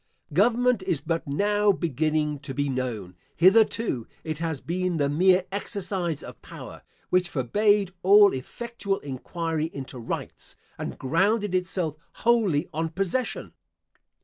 Government is but now beginning to be known. Hitherto it has been the mere exercise of power, which forbade all effectual enquiry into rights, and grounded itself wholly on possession.